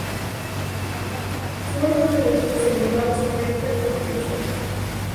For coronations they were brought to Frankfurt Cathedral.